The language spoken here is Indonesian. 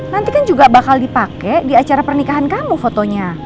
nanti kan juga bakal dipakai di acara pernikahan kamu fotonya